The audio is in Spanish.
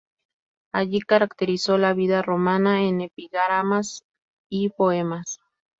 Allí caracterizó la vida romana en epigramas y poemas.